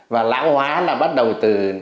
và lão hóa là bắt đầu từ